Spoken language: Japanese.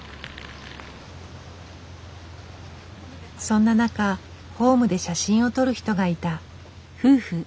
そんな中ホームで写真を撮る人がいた。